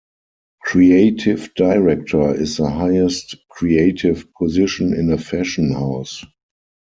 Creative director is the highest creative position in a fashion house.